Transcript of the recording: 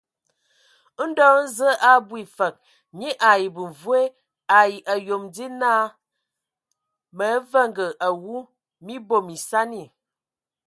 Ndo hm Zǝe a abwi fǝg, nye ai bemvoe ai ayom die naa: Mǝ avenge awu, mii bom esani.